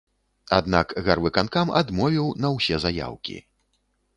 Аднак гарвыканкам адмовіў на ўсе заяўкі.